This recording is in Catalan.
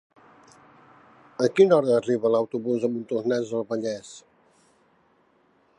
A quina hora arriba l'autobús de Montornès del Vallès?